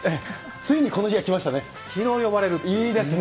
ついにこの日が来ましたね。